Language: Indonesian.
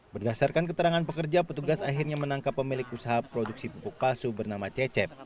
berdasarkan keterangan pekerja petugas akhirnya menangkap pemilik usaha produksi pupuk palsu bernama cecep